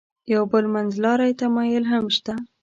یو بل منځلاری تمایل هم شته.